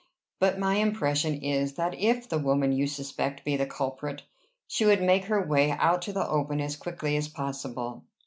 But my impression is, that, if the woman you suspect be the culprit, she would make her way out to the open as quickly as possible.